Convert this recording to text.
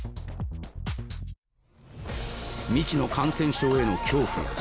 未知の感染症への恐怖や。